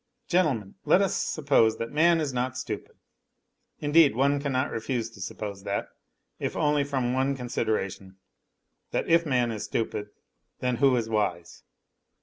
Gentlemen, let us suppose that man is not stupid. (Indeed one cannot refuse to suppose that, if only from the one consideration, that, if man is stupid, then who is wise